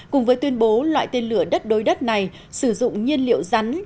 cùng với tuyên bố loại tên lửa đất đối đất này sử dụng nhiên liệu rắn